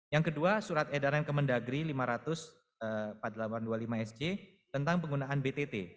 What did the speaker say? yang kedua surat edaran kemendagri lima ratus empat puluh delapan dua puluh lima sj tentang penggunaan btt